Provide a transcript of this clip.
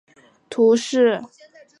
阿弗莱维勒人口变化图示